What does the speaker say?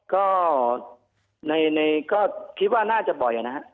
ก็คิดว่าน่าจะบ่อยนะครับ